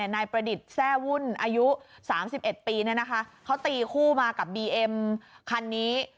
นายประดิษฐ์แทร่วุ่นอายุ๓๑ปีเขาตีคู่มากับบีเอ็มคันนี้